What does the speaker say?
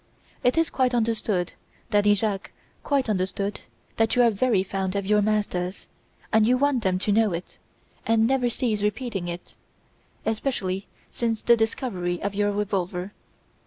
It is quite understood, Daddy Jacques, quite understood, that you are very fond of your masters; and you want them to know it, and never cease repeating it especially since the discovery of your revolver.